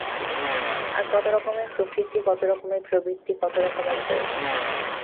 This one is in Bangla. তার কতরকমের প্রকৃতি, কতরকমের প্রবৃত্তি, কতরকমের প্রয়োজন?